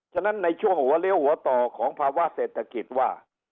ฉะนั้นในช่วงหัวเลี้ยวหัวต่อของภาวะเศรษฐกิจว่า